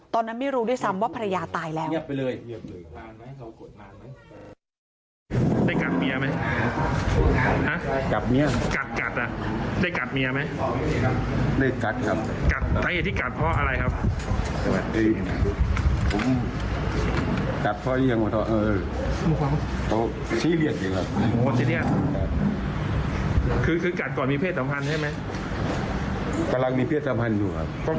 ตอนนั้นไม่รู้ด้วยซ้ำว่าภรรยาตายแล้ว